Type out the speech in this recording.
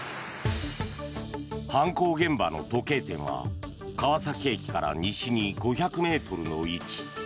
犯行現場の時計店は川崎駅から西に５００ｍの位置。